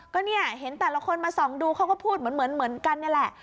ก็เนี่ยเห็นแต่ละคนมาส่องดูเขาก็พูดเหมือนกันนี่แหละ